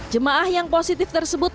jemaah yang positif tersebut